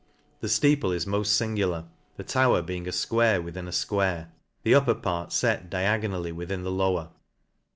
The fteeple is moil lingular, the tower being a fquare within a fquare, the upper part fet diagonally with in the lower.